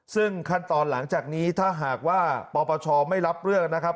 ซึ่งขั้นตอนหลังจากนี้ถ้าหากว่าปปชไม่รับเรื่องนะครับ